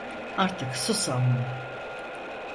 Artık sus ama…